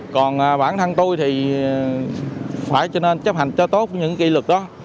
còn bản thân tôi thì phải cho nên chấp hành cho tốt những kỳ lực đó